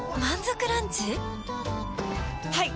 はい！